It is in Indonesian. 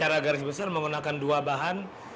secara garis besar menggunakan dua bahan